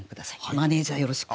マネージャーよろしく。